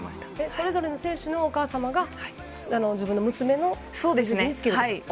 それぞれの選手のお母様が自分の娘の水着につける。